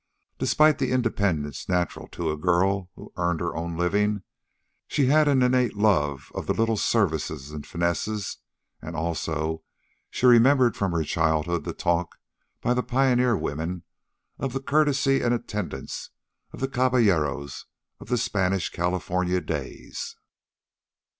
Despite the independence natural to a girl who earned her own living, she had an innate love of the little services and finenesses; and, also, she remembered from her childhood the talk by the pioneer women of the courtesy and attendance of the caballeros of the Spanish California days.